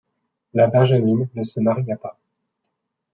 La benjamine ne se maria pas.